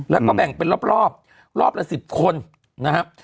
แล้วก็แบ่งเป็นรอบรอบละ๑๐คนนะครับ